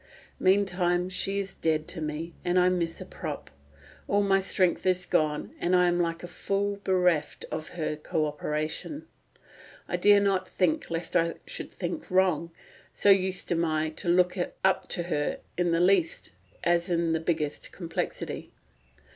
Meantime she is dead to me, and I miss a prop. All my strength is gone, and I am like a fool, bereft of her co operation. I dare not think, lest I should think wrong, so used am I to look up to her in the least as in the biggest perplexity.